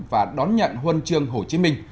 và đón nhận huân trường hồ chí minh